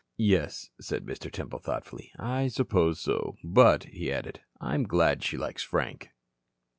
"Yes," said Mr. Temple, thoughtfully. "I suppose so. But," he added, "I'm glad she likes Frank."